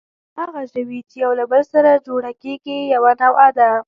هغه ژوي، چې یو له بل سره جوړه کېږي، یوه نوعه ده.